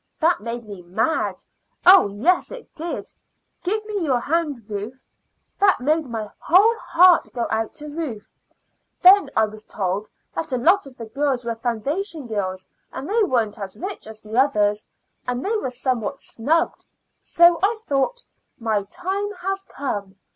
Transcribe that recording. That made me mad. Oh yes, it did Give me your hand, Ruth. That made my whole heart go out to Ruth. Then I was told that a lot of the girls were foundation girls, and they weren't as rich as the others, and they were somewhat snubbed. So I thought, 'My time has come.